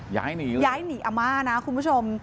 ย้ายหนีเลยย้ายหนีอำมาตย์นะคุณผู้ชม